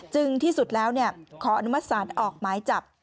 จึงที่สุดแล้วขออนุมัติศาสตร์ออกไม้จับ